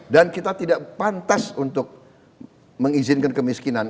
kita tidak pantas untuk mengizinkan kemiskinan